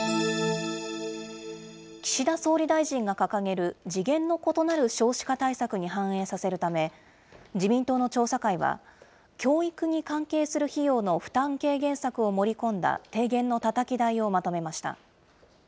岸田総理大臣が掲げる次元の異なる少子化対策に反映させるため、自民党の調査会は、教育に関係する費用の負担軽減策を盛り込んだ提言のたたき台をまとめました。